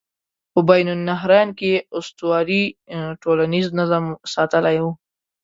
په بین النهرین کې اسطورې ټولنیز نظم ساتلی و.